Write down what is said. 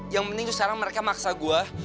yang penting sekarang mereka maksa gue